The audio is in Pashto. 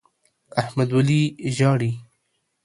احمد ولي ژاړي؟